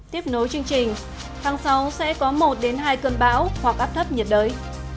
tiếp nối chương trình tháng sáu sẽ có một đến hai cơn bão hoặc áp thấp nhiệt đới